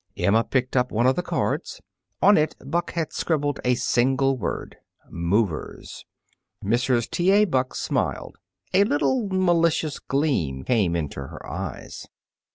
Emma picked up one of the cards. On it Buck had scribbled a single word: "Movers." Mrs. T. A. Buck smiled. A little malicious gleam came into her eyes.